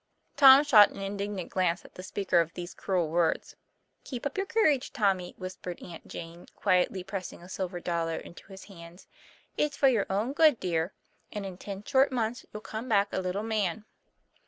Tom shot an indignant glance at the speaker of these cruel words. " Keep up your courage, Tommy," whispered Aunt Jane, quietly pressing a silver dollar into his hands. "It's for your own good, dear, and in ten short months you'll come back a little man."